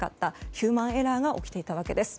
ヒューマンエラーが起きていたわけです。